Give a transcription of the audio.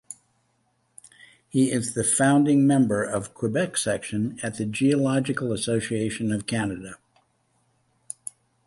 He is the founding member of Quebec section at the Geological Association of Canada.